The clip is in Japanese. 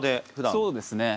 そうですね。